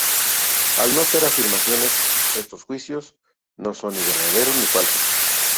Al no ser afirmaciones, estos juicios no son ni verdaderos ni falsos.